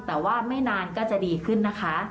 แต่ว่าไม่นานก็จะดีขึ้นนะคะ